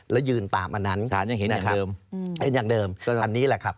แล้วยืนตามอันนั้นสารยังเห็นอย่างเดิมเห็นอย่างเดิมอันนี้แหละครับ